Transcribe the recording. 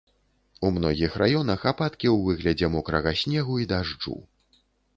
У многіх раёнах ападкі ў выглядзе мокрага снегу і дажджу.